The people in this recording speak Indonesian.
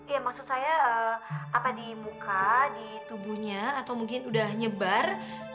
ya maksud saya apa di muka di tubuhnya atau mungkin udah nyebar